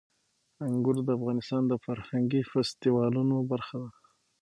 انګور د افغانستان د فرهنګي فستیوالونو برخه ده.